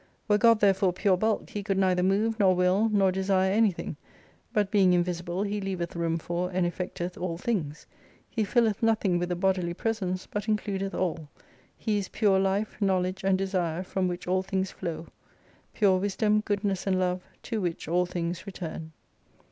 Were God therefore pure bulk, He could neither move, nor will, nor desire anything ; but being invisible, He leaveth room for and effecteth all things. He fiUeth nothing with a bodily presence, but includeth all. He is pure Life, Knowledge, and Desire, from which all things flow : pure Wisdom, Goodness, and Love to which all things return.